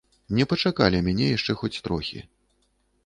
Не пачакалі мяне яшчэ хоць трохі.